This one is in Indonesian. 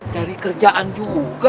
cari kerjaan juga